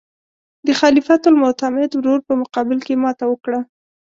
د خلیفه المعتمد ورور په مقابل کې یې ماته وکړه.